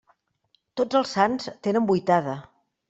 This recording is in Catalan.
Tots els sants tenen vuitada.